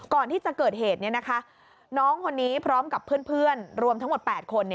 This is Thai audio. ก่อนที่จะเกิดเหตุน้องคนนี้พร้อมกับเพื่อนรวมทั้งหมด๘คน